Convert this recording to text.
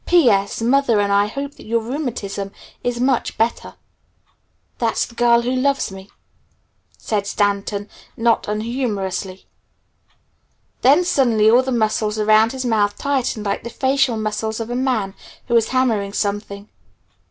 "P. S. Mother and I hope that your rheumatism is much better." "That's the girl who loves me," said Stanton not unhumorously. Then suddenly all the muscles around his mouth tightened like the facial muscles of a man who is hammering something.